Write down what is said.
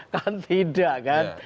kan tidak kan